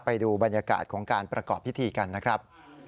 ไปดูบรรยากาศของการประกอบพิธีกันนะครับ